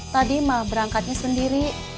tadi mah berangkatnya sendiri